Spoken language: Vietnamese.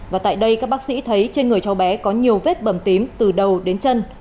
và tại đây các bác sĩ thấy trên người cháu bé có nhiều vết bầm tím từ đầu đến chân